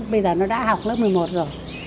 bây giờ nó đã học lớp một mươi một rồi